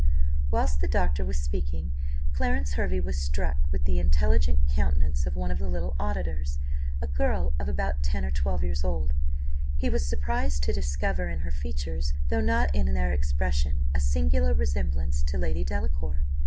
Whilst the doctor was speaking, Clarence Hervey was struck with the intelligent countenance of one of the little auditors, a girl of about ten or twelve years old; he was surprised to discover in her features, though not in their expression, a singular resemblance to Lady Delacour.